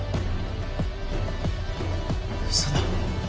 嘘だ。